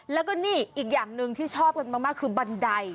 แล้วก็นี่อีกอย่างหนึ่งที่ชอบกันมากคือบันได